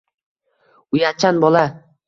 Uyatchan bola